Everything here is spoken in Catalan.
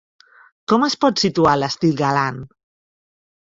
Com es pot situar l'estil galant?